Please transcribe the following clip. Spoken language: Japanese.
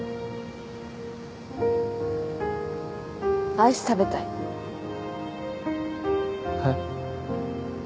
アイス食べたいえっ？